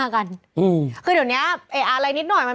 คือเดี๋ยวนี้คุณอาร์อะไรนิดหน่อยอ่ะ